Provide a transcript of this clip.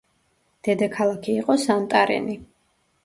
დედაქალაქი იყო სანტარენი.